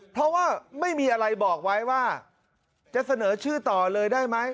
เพราะว่าไม่มีอะไรบอกไว้ว่าจะเสนอชื่อต่อเลยได้ไหม